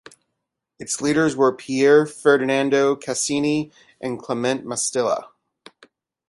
Its leaders were Pier Ferdinando Casini and Clemente Mastella.